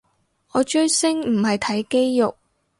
我追星唔係睇肌肉